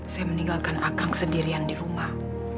saya meninggalkan akang sendirian di rumah